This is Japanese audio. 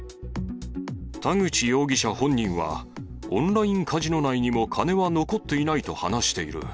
田口容疑者本人は、オンラインカジノ内にも金は残っていないと話している。